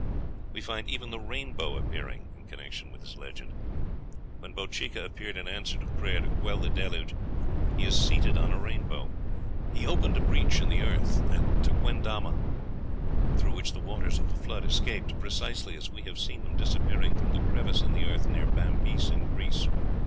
We find even the rainbow appearing in connection with this legend. When Bochica appeared in answer to prayer to quell the deluge he is seated on a rainbow. He opened a breach in the earth at Tequendama, through which the waters of the flood escaped, precisely as we have seen them disappearing through the crevice in the earth near Bambyce, in Greece.